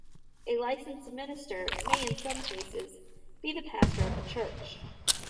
A licensed minister may, in some cases, be the pastor of a church.